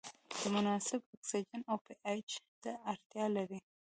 د مناسب اکسیجن او پي اچ ته اړتیا لري.